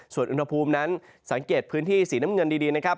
ส่วนอุณหภูมินั้นสังเกตพื้นที่สีน้ำเงินดีนะครับ